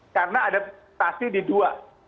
karena ada mutasi di dua